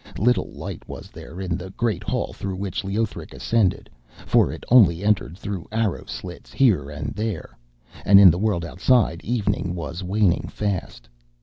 Little light was there in the great hall through which Leothric ascended, for it only entered through arrow slits here and there, and in the world outside evening was waning fast.